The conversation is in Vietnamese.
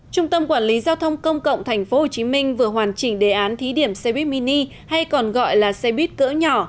trung tâm quản lý giao thông công cộng tp hcm vừa hoàn chỉnh đề án thí điểm xe buýt mini hay còn gọi là xe buýt cỡ nhỏ